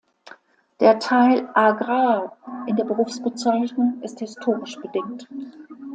Der Teil „Agrar“ in der Berufsbezeichnung ist historisch bedingt.